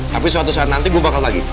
tapi suatu saat nanti gue bakal lagi